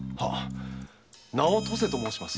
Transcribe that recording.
名を登世と申します。